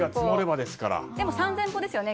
３０００歩ですよね。